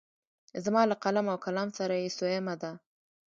زما له قلم او کلام سره یې څویمه ده.